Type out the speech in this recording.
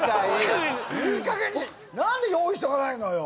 何で用意しとかないのよ